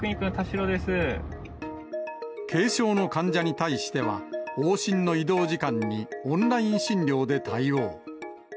軽症の患者に対しては、往診の移動時間にオンライン診療で対応。